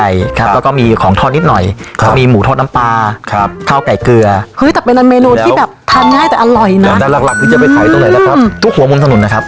อยากฟังชื่อแบรนด์นะครับ